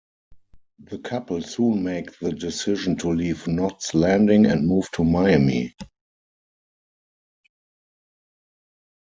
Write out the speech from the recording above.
The couple soon make the decision to leave Knots Landing and move to Miami.